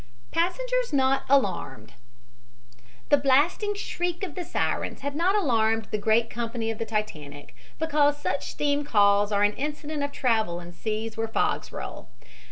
PASSENGERS NOT ALARMED The blasting shriek of the sirens had not alarmed the great company of the Titanic, because such steam calls are an incident of travel in seas where fogs roll.